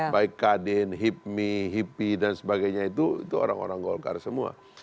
baik kadin hipmi hipi dan sebagainya itu orang orang golkar semua